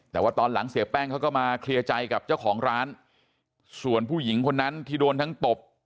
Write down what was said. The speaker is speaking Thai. แต่ว่าตอนหลังเสียแป้งเขาก็มาเคลียร์ใจกับเจ้าของร้านส่วนผู้หญิงคนนั้นที่โดนทั้งตบ